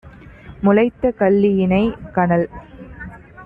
முளைத்த கள்ளியினைக் - கனல்